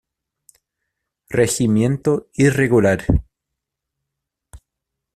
Regimiento irregular".